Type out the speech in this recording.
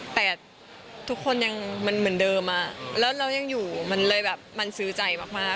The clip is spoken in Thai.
แต่ทุกคนยังมันเหมือนเดิมอะแล้วเรายังอยู่มันเลยแบบมันซื้อใจมาก